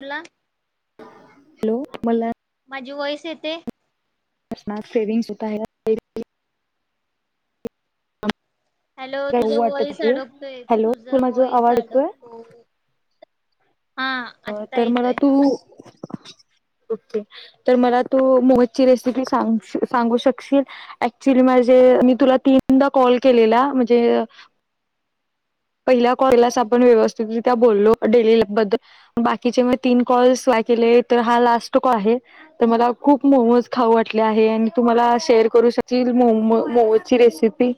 बला हॅलो बला माझी वयस येते स्मार्क सेविंग्स होत ह हॅलो तुझ वाटत वॉईस आहे अडकतोय हॅलो तुझ तू माझा वॉईस आवाज येतोय अडकतो हा अ आत्ता तर मला येतोय. तू ओके तर मला तू मोहजची रेसिपी सांगू शकशील ऍक्च्युली माझे मी तुला तीनदा कॉल केलेला म्हणजे पहिल्या कॉलला आपण व्यवस्थितरित्या बोललो डेली बद्दल बाकीचे म तीन कॉल्स लागले तर हा लास्ट तर मला खूप मोमज खाऊ वाटले आहे आणि तुमला शेअर करू शकशील मोजची रेसिपी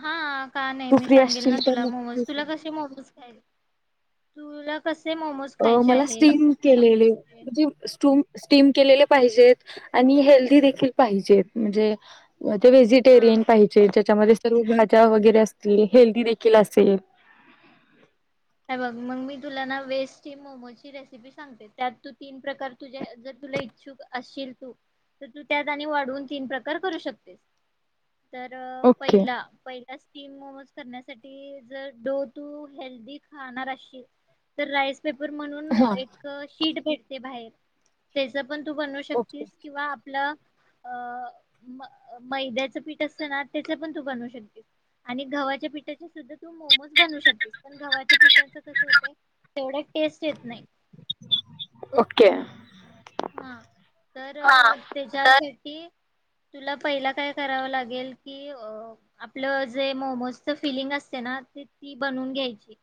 हा का नाही तू मी फ्री सांगेल असशील ना तुला तर मूवज नक्की सांग. तुला कशी मूवज खाईल तुला कस मला स्टीम के म्हणे सम के ज आणि हेल्थी देील पाजेत म्हणजे ते व्हेजिटेरियन हा पाहिजे त्याच्यामध्ये सर्व भाज्या वगैरे असतील हेल्दी देखील असेल बघ मग मी तुला ना वेस्ट मोमोची रेसिपी सांगते त्यात तू तीन प्रकार तुझ जर तुला इचछुक असशील तू तर तू त्यात आणि वाढवून तीन प्रकार करू शकतेस तर ओके पहिला पहि त्या स्टीम मोमोज करण्यासाठी जर डो टू हेल्दीी खाणार अशी तर राईस पेपर म्हणून हा एक शीट भेट ते बाहेर त्याच पण तू बनवू ओके शकतीस किंवा आपलं अ म मैद्याचं पीठ असत ना त्याच पण तू बनवू शकतेस आणि गव्हाच्या पीठाचे सुद्धा तू मोमोज बनवू शकतेस पठाच तस होते तेवढ्या टेस्ट येत नाही ओके हा तर त्याच्यासाठी तुला पहिला काय कराव लागेल कि आपलं जे मोमोजच फिलिंग असते ना ते ती बनून घ्यायची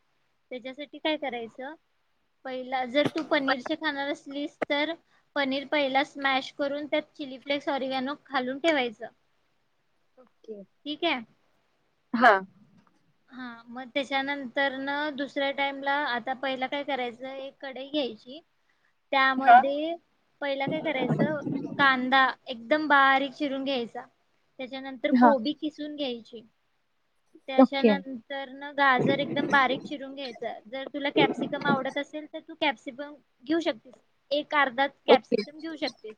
त्याच्यासाठी काय करायचं पहिला जर तू पनीरचे खाणार असलीस तर पनीर पहिला स्मॅश करून त्यात चिली फ्लेक्स अरव्यान घालून ठेवायच हा हा मग त्याच्यानंतर न दुसऱ्या टाइमला आता पहिला काय करायचं एक कडे घ्यायची त्यामध्ये पहिला काय करायचं कांदा एकदम बारीक चिरून घ्यायचा त्याच्यानंतर हा कोबी किसून घ्यायची ज ओके त्याच्यानंतर न गाजर एकदम बारीक चिरून घ्यायच जर तुला कॅप्सिकम आवडत असेल तर तू कॅप्सिबल घेऊ शकतेस एक कारदात ओके कॅप्सिकम घेऊ शकते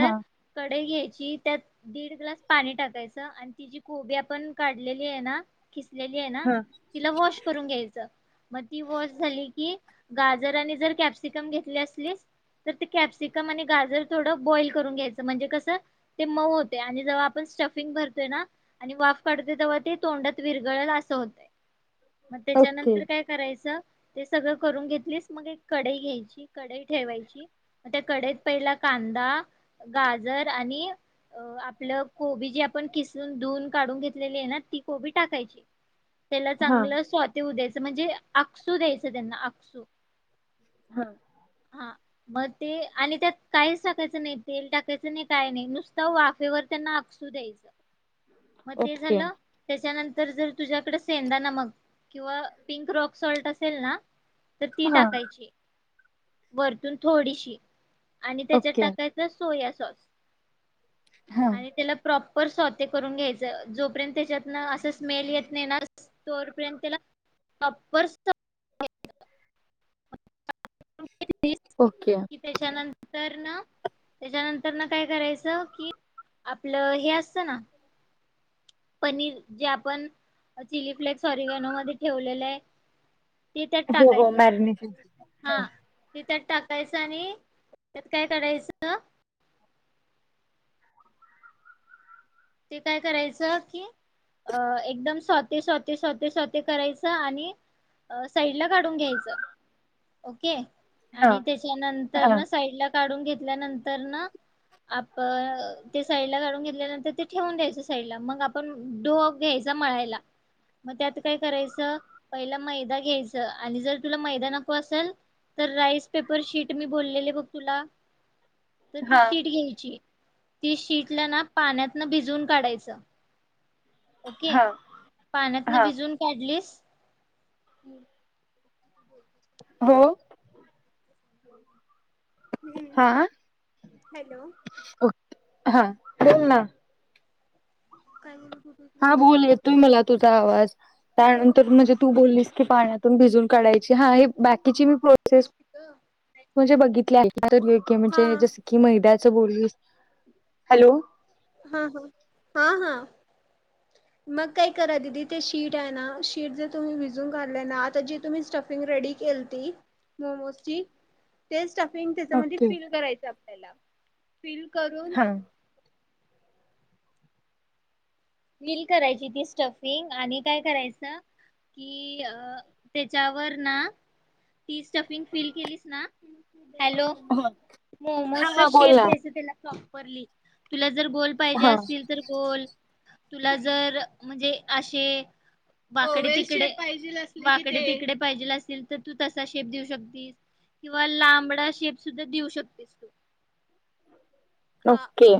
हा कढई आणि त्यात दीड ग्लास पाणी टाकायचं आणि तिची कोबी आपण काढलेली ये ना किसलेली आहे ना हा तिला वॉश करून घ्यायचं तर ते कॅप्सिकॉम आणि गाजर थोड बॉईल करून घ्यायचं म्हणजे कस ते मऊ होती आणि जेव्हा आपण स्टफिंग भरतोय ना आणि वाफ काढतोय तवा ते तोंडात विरगळल असं होतं मग ओके त्याच्यानंतर काय करायचं ते सगळं करून घेतलीस मग एक कडई घ्यायची कडई हे ही सगळ करून घेतलीस मग कढई ठेवायची मग त्या कडईत पहिला कांदा गाजर आणि अ आपलं कोबी जी आपण खिसून धुून काढून घेतलेली आहे ना ती कोभ टाकायची त्याला हा चांगलं स्वाती दे म्हणजे अकसू द्यायचं त्यांना अकसू हा हा मग ते आणि त्यात काहीच टाकायचं नाही तेल टाकायचं नाही काही नाही नुसतं वाफेवर त्यांना आसू द्यायचं मग ते ओके झालं त्याच्यानंतर जर तुझ्याकड सेंदा नमक किंवा पिंक रॉक सल्ट असेल ना तर ती हा टाकायची वरतून थोडीशी आणि त्याच्यात ओके टाकायच सोया सॉस सॉस हा आणि त्याला प्रॉप पर स्वते करून घ्यायचं जोपर्यंत त्याच्यात ना असं स्मेल येत नाही ना तोवरपर्यंतला टॉप्पर [unintelligible] ओके कि त्याच्यानंतर न त्याच्यानंतर ना काय करायचं कि आपलं हे असत ना पनीर जे आपण चिली फ्लेक् सॉरी वनो मध्ये ठेवलेलं आहे ते त्यात हो हो टाकायचं हा त्यात टाकायचं आणि त्यात काय कराायचं ते काय करायचं कि अ एकदम स्वते स्वते स्वते स्वते करायचं आणि साइड ला काढून घ्यायचं के हा आणि त्याच्यानंतर हा ना साईड ला काढून घेतल्यानंतर ना आप साईड ला काढून घेतल्यानंतर ठेवून घ्यायच साईडला मग आपण डोफ घ्यायचा मळायला मग त्यात काय करायचं पहिला मैदा घ्यायच आणि जर तुला मैदा नको असेल तर राईस पेपर शीट मी बोललेले बघ तुला तर ती हा शीट घ्यायची ती शिटला ना पाण्यात भिजून काढायचं ओके हा पाण्यात ना हा भिजून काढलीस हम् हो हम्म हा हॅलो ओके हा तम ना काही हा बोल येतोय मला. तुझा आवाज कुठं त्यानंतर म्हणजे तू बोलीस की पाण्यातून भिजून काढायची हा ही बाकीची मी प्रोसेस म्हणजे बघितली आहे [inaudible] हा म्हणजे जसं की मैदा [inaudible] हॅलो हा ह हा हा मग काय करा दिदी ते शीट आहे ना शीट जे तुम्ही भिजून काढलंय ना आता जी तुम्ही स्टफिंग रेडी केलती मोमोजची तेच स्टफिंग त्याच्यामधी ओके फिल करायची आपल्याला. फिल करून हा फिल करायची ती स्टफिंग आणि काय करायचं कि अ त्याच्यावर ना ती स्टफिंग फिल केलीस ना. हॅलो ह हा मोमोजचा हा शेप बोल ना द्यायचा त्याला प्रॉ परली तुला जर गोल पाहिजे हा असतील तर गोल. तुला जर म्हणजे असे, हो जे शेप पाहिजेल असले ती दे. वाकडे तिकडे वाकडे तिकडे पाहिजे असेल तर तू तसा शेप देऊ शकतेस किंवा लांबडा शेप सुद्धा देऊ शकतेस तू. हा ओके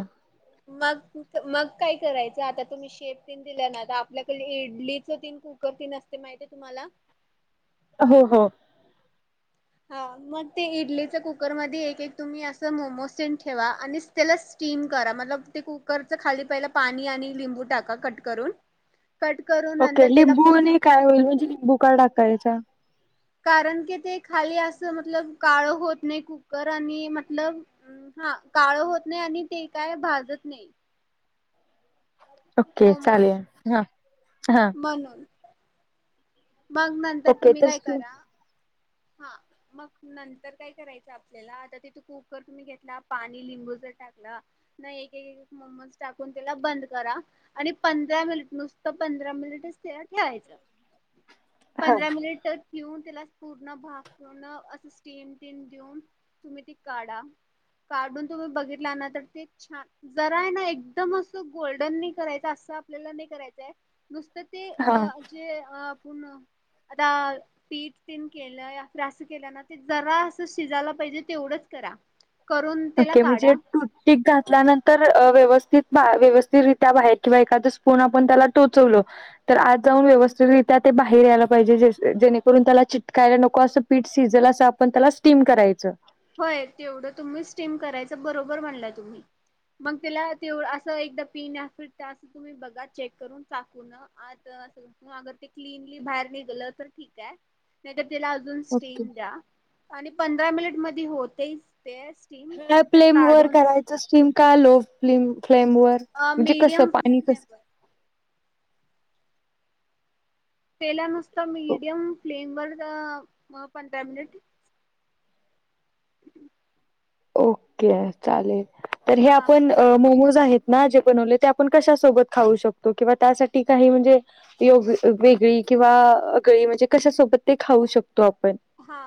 मग मग काय करायचं आता तुम्ही शेप तेन दिल्या ना आता आपल्याकडे इडलीच ती न कुकर ती न असते ती माहिती तुम्हाला? हो हो हा मग ते इडलीच कुकरमध्ये एक एक तुम्ही असं मोमो सेन ठेवा आणि त्याला स्टीम करा मतलब ते कुकरच खाली पहिलं पाणी आणि लिंबू टाका कट करून. कट करून ओके नंतर त्याला लिंबू पूर्ण नि काय होईल म्हणजे लिंबू का टाकायचा? कारण की ते खाली असं मतलब काळं होत नाही कुकर आणि मतलब हा काळं होत नाही आणि ते काय भाजत नाही. ओके मोमोज चालेल हा हा म्हणून मग नंतर ओके तुम्ही तर काय करा हा मग नंतर काय करायचं आपल्याला आता तिथे कुकर तुम्ही घेतला पाणी लिंबू जर टाकला ना एक एक मोमोज टाकून त्याला बंद करा आणि पंधरा मिनिट नुसतं पंधरा मिनिटच त्याला ठेवायचं. हा पंधरा मिनिट ठेऊन त्याल न [inaudible] असं स्टीम तिन देऊन तुम्ही ती काढा काढून तुम्ही बघितला ना तर ते छा जरा आहे ना एकदम असं गोल्डन नाही करायच असं आपल्याला नाही करायचंय नुस तर ते हा अ जे अ न आता पीट केलंया [inaudible] असं केलं ना ते जरा असं शिजायला पाहिजे तेवढंच करा. करून त्याला ओके म्हणजे काढा टुथपिक घातल्यानंतर अ व्यवस् टुथ बा व्यवस्थितरित्या बाहेर किंवा एखादं स्पून आपण त्याला टोचवलं तर आत जाऊन व्यवस्थितरित्या ते बाहेर यायला पाहिजे जेसे जेणेकरून त्याला चिटकायला नको असं पीठ शिजल असं आपण त्याला स्टीम करायचं. होय तेवढं तुम्ही स्टीम करायचं बरोबर म्हणला तुम्ही, मग त्याला असं एकदा पी या फिर तुम्ही बघा चेक करून चाकून आत असं किंवा अगर ते क्लिनली बाहेर निघल तर ठीक हाय नायत तेला अजून ओके. स्टीम द्या आणि पंधरा मिनिट म ती होतयच. ह प्लेम वर करायच स्टीम का लो? [unintelligible] फ्लेम वर म्हणजे कसं? मीडियम पाणी कसं? फ्लेवर [unintelligible] [unintelligible] मीडयम फ्लेम वर [unintelligible] पंधरा मिनिट. ओके चालेल. तर हे हा आपण मोमोज मोमोज आहेत ना जे बनवले. ते आपण कशासोबत खाऊ शकतो? किंवा त्यासाठी काही म्हणजे, वेगळी किंवा गळी म्हणजे कशा सोबत ते खाऊ शकतो आपण? हा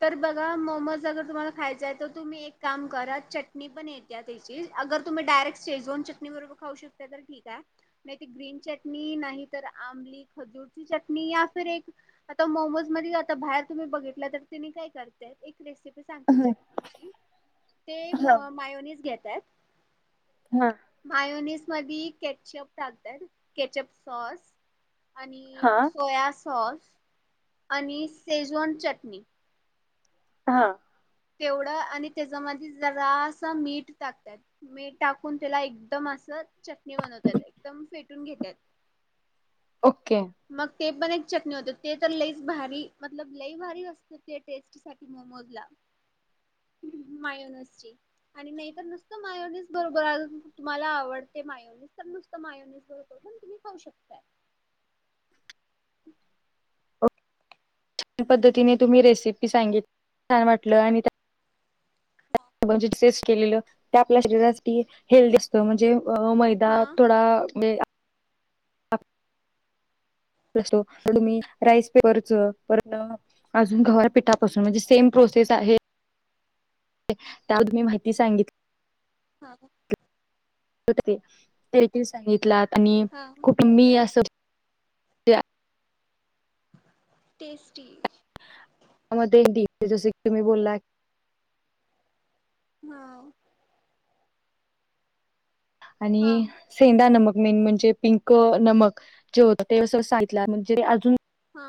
तर बघा मोमोज अगर तुम्हाला खायचयं तर तुम्ही एक काम करा चटणी पण येते त्याची अगर तुम्ही डायरेक्ट शेजवान चटणी बरोबर खाऊ शकता, तर ठीक आहे. नाही, ते ग्रीन चटणी नाही तर आंमली खजूरची चटणी या फिर एक आता मोमोज म आता बाहेर तुम्ही बघितलं, तर तिने काय करताय? रेसिपी सांगते चटणीची ते हा मायोनीज घेतात. हा. मायोनीस. मधी केचअप टाकतात. Ketchup sauce. आणि हा सोया सॉस. आणि शेजवान चटणी. हा. तेवढं आणि त्याच्यामध्ये जरासं मीठ टाकतात, मीठ टाकून त्याला एकदम असं चटणी बनवतात. एकदम फेटून घेतात. ओके! मग ते पण एक चटणी होत, ते तर लईचं भारी मतलब लई भारी होतयं, ते टेस्ट साठी मोमोज ला. मायोनसची आणि नाहीतर, नुसत मायोनिस बरोबर आज तुम्हाला, आवडते मायोनिस तर नुसत मायोनिस बरोबर पण तुम्ही खाऊ शकताय. [inaudible] छान पद्धतीने तुम्ही रेसिपी सांगित छान वाटलं आणि [unintelligible] आपल्या शरीरासाठी हेल्दी असतं म्हणजे अ मैदा हा थोडा म्हणजे तर तुम्ही राईस पेपच परत अजून गवार पिठापासून म्हणजे सेम प्रोसेस आहे. [unintelligible] त्या तुमही माहिती सांगितली. हा [unintelligible] साहेब हा [unintelligible] कुटुंबी असं. त्या टेस्टी [unintelligible] जसे तुम्ही बोलला. हा हा आणि सेंधा नमक मेन म्हणजे पिंक नमक जे होत, [unintelligible] म्हणजे अजून हा.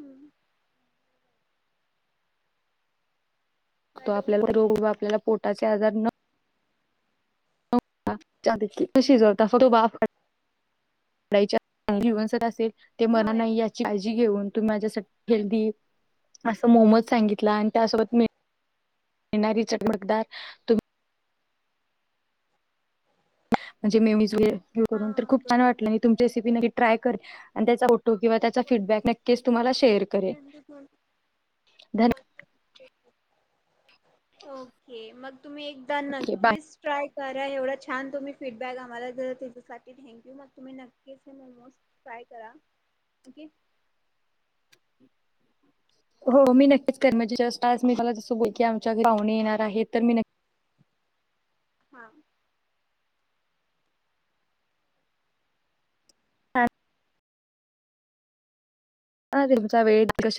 हम्म! तो हॅलो आपल्या बरोबर आपल्याला, पोटाचे आजार न [unintelligible] ते मना होय नाही, याची काळजी घेऊन तुम्ही माझ्यासाठी हेल्दी अस मोमज सांगित आणि त्या सोबत [unintelligible] चटकदार तुम्ही म्हणजे मेयोनीज वगैरे हे हा करून तर खूप छान वाटल बरोबर. आणि तुमच्या रेसिपीने ट्राय कर आणि त्याचा तो किंवा त्याचा फीडबॅक नक्कीच तुम्हाला शेअर करेल धन्य ओके मग तुम्ही एकदा ओके बाय नक्कीच ट्राय करा एवढा छान तुम्ही फीडबॅक आम्हाला दिला त्याच्यासाठी थँकू मग तुम्ही नक्कीच मोमोज ट्राय करा [unintelligible] हो मी नक्कीच करेन म्हणजे जस्ट आज मी मला जस बोल की आमच्या घरी पाहुणे येणार आहे तर मी नक्की हा हा तुमचा वेळ कशात